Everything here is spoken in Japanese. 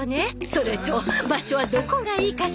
それと場所はどこがいいかしら？